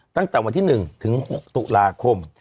ตั้งแต่วันที่๑ถึง๖ตุลาคม